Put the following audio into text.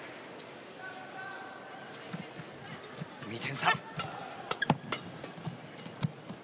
２点差。